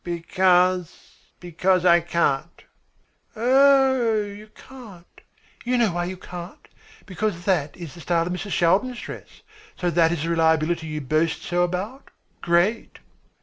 "Because because I can't." "Oh h h, you can't? You know why you can't. Because that is the style of Mrs. Shaldin's dress. So that is the reliability you boast so about? Great!"